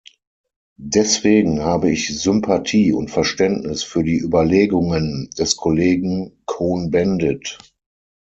Deswegen habe ich Sympathie und Verständnis für die Überlegungen des Kollegen Cohn-Bendit.